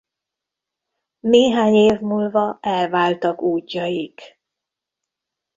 Néhány év múlva elváltak útjaik.